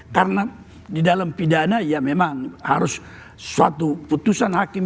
karena di dalam pidana ya memang harus suatu putusan hakim